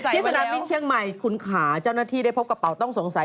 สนามบินเชียงใหม่คุณขาเจ้าหน้าที่ได้พบกระเป๋าต้องสงสัย